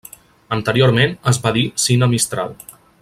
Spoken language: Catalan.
Anteriorment es va dir Cine Mistral.